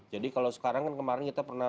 jadi kalau sekarang kan kemarin kita pernah